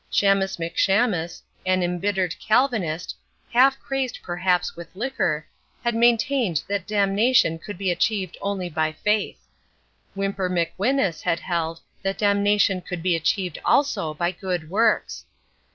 Shamus McShamus, an embittered Calvinist, half crazed perhaps with liquor, had maintained that damnation could be achieved only by faith. Whimper McWhinus had held that damnation could be achieved also by good works.